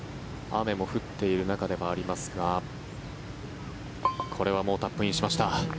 雨も降っている中ではありますがこれはもうタップインしました。